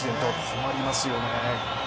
困りますよね。